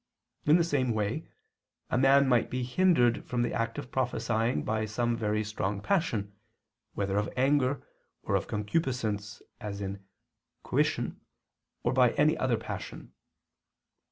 In the same way a man might be hindered from the act of prophesying by some very strong passion, whether of anger, or of concupiscence as in coition, or by any other passion.